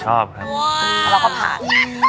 ชอบครับแล้วก็ผ่าน